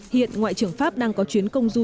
hiện ngoại trưởng pháp đang có chuyến công du